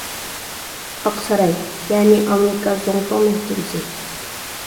ئاق ساراي يەنى ئامېرىكا زۇڭتۇڭ مەھكىمىسى.